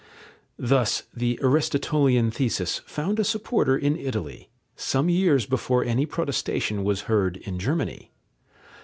Thus the Aristotelian thesis found a supporter in Italy, some years before any protestation was heard in Germany.